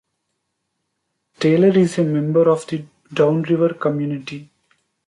Taylor is a member of the Downriver Community.